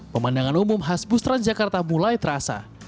pemandangan umum khas bus transjakarta mulai terasa